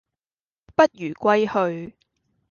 不如歸去